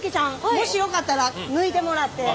もしよかったら抜いてもらって。